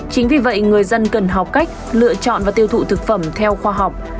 chính vì vậy người dân cần học cách lựa chọn và tiêu thụ thực phẩm theo khoa học